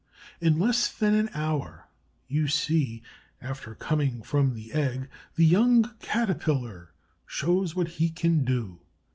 In less than an hour, you see, after coming from the egg, the young Caterpillar shows what he can do.